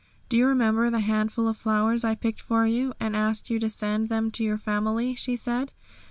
"Do you remember the handful of flowers I picked for you, and asked you to send them to your family?" she said.